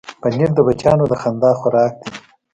پنېر د بچیانو د خندا خوراک دی.